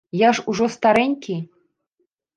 Я ж ужо старэнькі.